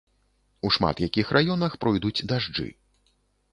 У шмат якіх раёнах пройдуць дажджы.